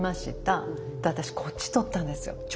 私こっち取ったんですよ。